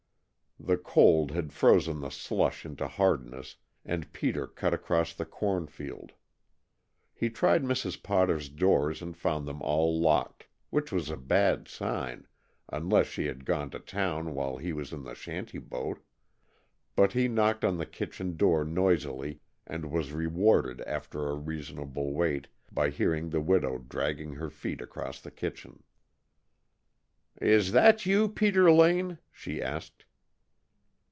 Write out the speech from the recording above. The cold had frozen the slush into hardness, and Peter cut across the corn field. He tried Mrs. Potter's doors and found them all locked which was a bad sign, unless she had gone to town while he was in the shanty boat but he knocked on the kitchen door noisily, and was rewarded after a reasonable wait, by hearing the widow dragging her feet across the kitchen. "Is that you, Peter Lane?" she asked.